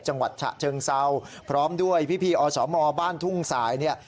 จังหวัดฉะเชิงเซาพร้อมด้วยพี่อสมบ้านทุ่งสายเนี่ย